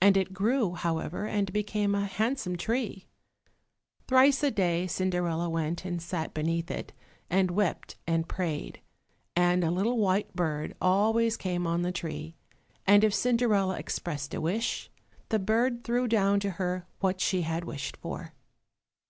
And it grew, however, and became a handsome tree. Thrice a day Cinderella went and sat beneath it, and wept and prayed, and a little white bird always came on the tree, and if Cinderella expressed a wish, the bird threw down to her what she had wished for.